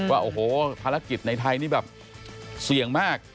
ว่าโอ้โหภารกิจในไทยนี่แบบเสี่ยงมาก